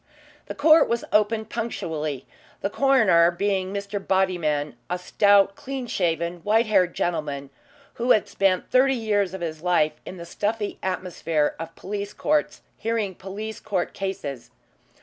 The court was opened punctually, the coroner being Mr. Bodyman, a stout, clean shaven, white haired gentleman who had spent thirty years of his life in the stuffy atmosphere of police courts hearing police court cases.